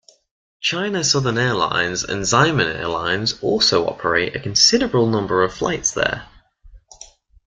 China Southern Airlines and Xiamen Airlines also operate a considerable number of flights there.